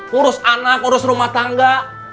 ngurus anak urus rumah tangga